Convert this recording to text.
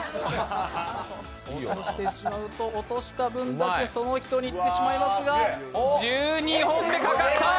落とした分だけその人に行ってしまいますが１２本目、かかった！